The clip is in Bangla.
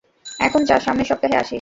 এখন যা, সামনের সপ্তাহে আসিস।